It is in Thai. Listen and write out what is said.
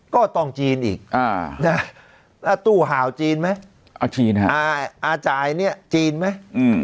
ก็ต้องจีนอีกตู้ห่าวจีนไหมอาจ่ายจีนไหม